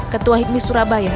ketua hipmi surabaya